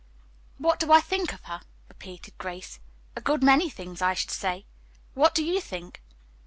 "What do I think of her?" repeated Grace. "A good many things, I should say. What do you think?"